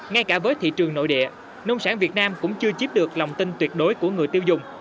ngay cả với thị trường nội địa nông sản việt nam cũng chưa chiếm được lòng tin tuyệt đối của người tiêu dùng